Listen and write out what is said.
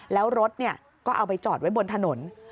แล้วรถก็เอาไปจอดไว้บนถนน